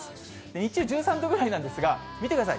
日中１３度ぐらいなんですが、見てください。